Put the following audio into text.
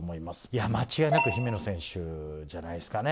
いや、間違いなく姫野選手じゃないですかね。